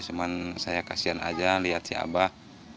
cuma saya kasihan saja melihat si abah